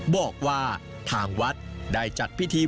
บอกว่าทางวัดได้จัดพิธี